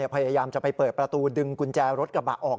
พยายามจะไปเปิดประตูดึงกุญแจรถกระบะออก